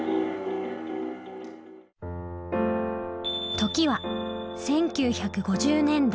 時は１９５０年代前半。